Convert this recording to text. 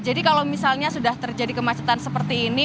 jadi kalau misalnya sudah terjadi kemacetan seperti ini